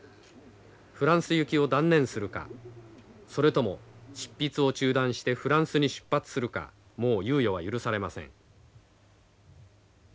フランス行きを断念するかそれとも執筆を中断してフランスに出発するかもう猶予は許されません。